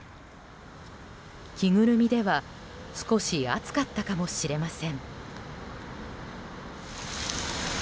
着ぐるみでは少し暑かったかもしれません。